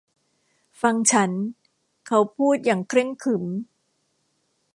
ฟังฉันเขาพูดอย่างเคร่งขรึม